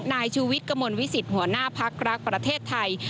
นายชูวิทย์กระมวลวิสิตหัวหน้าพักรักประเทศไทย